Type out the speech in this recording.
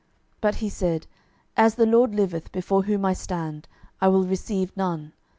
12:005:016 But he said, As the LORD liveth, before whom I stand, I will receive none.